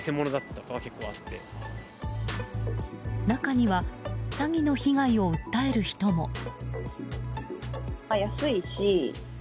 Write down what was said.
中には詐欺の被害を訴える人も。